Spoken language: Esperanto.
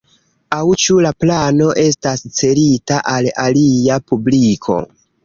Aŭ ĉu la plano estas celita al alia publiko?